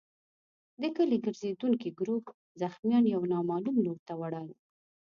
د کلي ګرزېدونکي ګروپ زخمیان يو نامعلوم لور ته وړل.